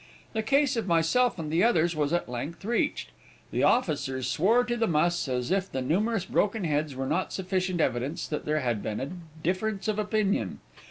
The case of myself and others was at length reached. The officers swore to the muss, as if the numerous broken heads were not sufficient evidence that there had been a difference of opinion.